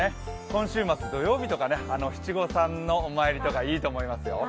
今週末、土曜日、七五三のお参りとかいいいと思いますよ。